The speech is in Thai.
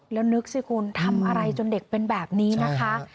แล้วนึกสิคุณทำอะไรจนเด็กเป็นแบบนี้นะคะ